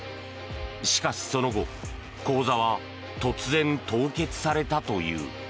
しかし、その後口座は突然、凍結されたという。